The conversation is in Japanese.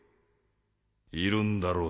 いるんだろう